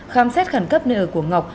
khám xét khẳng cấp nơi ở của ngọc